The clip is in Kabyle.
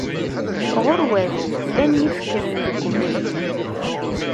Ɣur-wat: Llan yifekren deg ubrid.